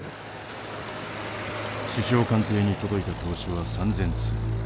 首相官邸に届いた投書は３，０００通。